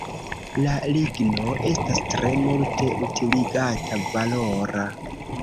La ligno estas tre multe utiligata, valora.